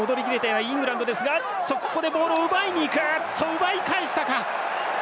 奪い返した。